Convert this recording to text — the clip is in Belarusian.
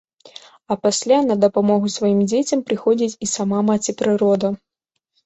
А пасля на дапамогу сваім дзецям прыходзіць і сама маці-прырода.